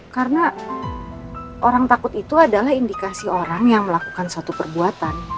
karena orang takut itu adalah indikasi orang yang melakukan satu perbuatan